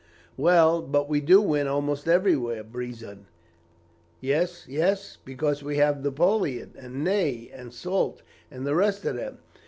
"Well, but we do win almost everywhere, Brison." "Yes, yes; because we have Napoleon and Ney and Soult and the rest of them.